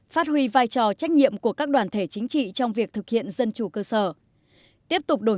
phát huy vai trò trách nhiệm của các đoàn thể chính trị trong việc thực hiện dân chủ cơ sở tiếp tục đổi